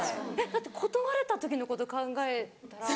だって断られた時のこと考えたら。